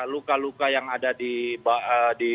luka luka yang ada di